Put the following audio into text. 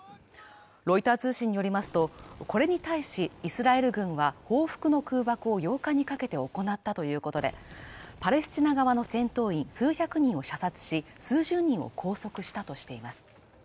ロイター通信によりますとこれに対しイスラエル軍は報復の空爆を８日かけて行ったということで、パレスチナ側の戦闘員数百人を射殺し数十人を拘束したとしています。